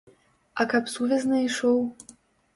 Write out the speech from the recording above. А каб сувязны ішоў?